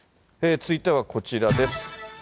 続いてはこちらです。